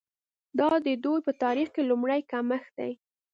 دا د دوی په تاریخ کې لومړی کمښت دی.